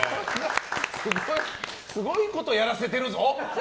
すごいことやらせてるぞ。